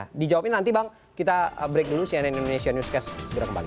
jadi jawab ini nanti bang kita break dulu cnn indonesia newscast segera kembali